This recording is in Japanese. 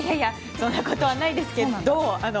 そんなことはないですけど。